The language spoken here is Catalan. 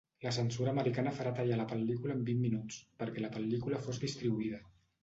La censura americana farà tallar la pel·lícula en vint minuts perquè la pel·lícula fos distribuïda.